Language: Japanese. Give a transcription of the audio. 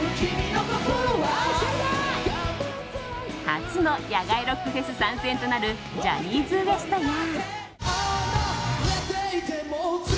初の野外ロックフェス参戦となるジャニーズＷＥＳＴや。